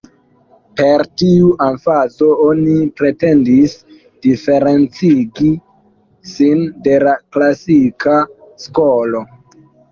Per tiu emfazo oni pretendis diferencigi sin de la klasika skolo.